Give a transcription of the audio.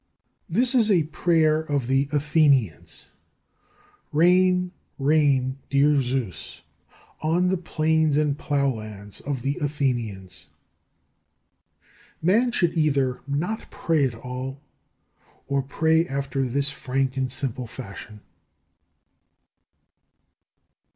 7. This is a prayer of the Athenians: "Rain, rain, dear Zeus, on the plains and ploughlands of the Athenians." Man should either not pray at all, or pray after this frank and simple fashion.